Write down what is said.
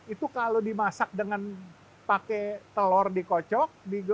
itu kalau dimasak dengan pakai telur dikocok